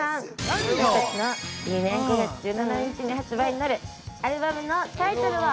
私たちの５月１７日に発売になるアルバムのタイトルは？